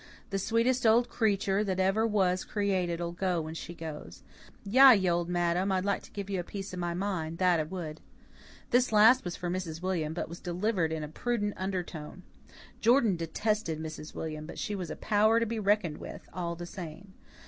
"The sweetest old creetur that ever was created'll go when she goes. Yah, ye old madam, I'd like to give you a piece of my mind, that I would!" This last was for Mrs. William, but was delivered in a prudent undertone. Jordan detested Mrs. William, but she was a power to be reckoned with, all the same.